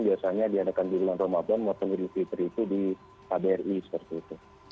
biasanya diadakan di bulan ramadan waktu ngeri fitri itu di wni